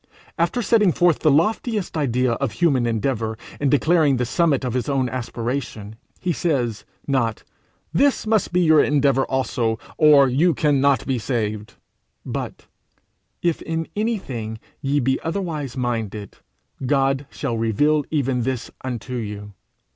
After setting forth the loftiest idea of human endeavour in declaring the summit of his own aspiration, he says not, 'This must be your endeavour also, or you cannot be saved;' but, 'If in anything ye be otherwise minded, God shall reveal even this unto you.